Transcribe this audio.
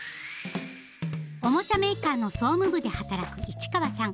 おもちゃメーカーの総務部で働く市川さん。